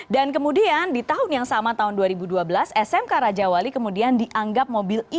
dan kemudian di tahun yang sama tahun dua ribu dua belas smk raja wali kemudian dianggap mobil ini